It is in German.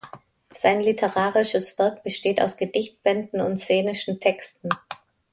Sein literarisches Werk besteht aus Gedichtbänden und szenischen Texten.